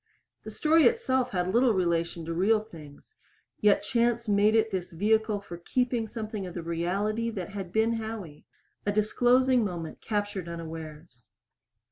The story itself had little relation to real things yet chance made it this vehicle for keeping something of the reality that had been Howie a disclosing moment captured unawares.